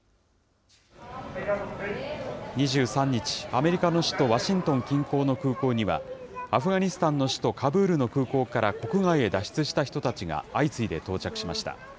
２３日、アメリカの首都ワシントン近郊の空港には、アフガニスタンの首都カブールの空港から、国外へ脱出した人たちが相次いで到着しました。